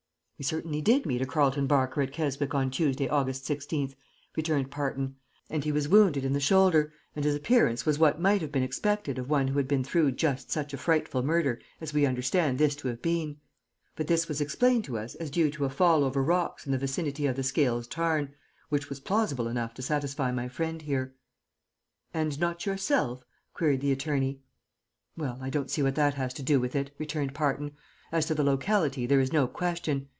"We certainly did meet a Carleton Barker at Keswick on Tuesday, August 16th," returned Parton; "and he was wounded in the shoulder, and his appearance was what might have been expected of one who had been through just such a frightful murder as we understand this to have been; but this was explained to us as due to a fall over rocks in the vicinity of the Scales Tarn which was plausible enough to satisfy my friend here." "And not yourself?" queried the attorney. "Well, I don't see what that has to do with it," returned Parton. "As to the locality there is no question.